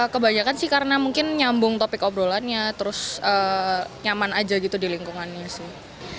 kebanyakan sih karena mungkin nyambung topik obrolannya terus nyaman aja gitu di lingkungannya sih